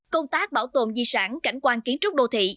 công tác bảo tồn di sản cảnh quan kiến trúc đô thị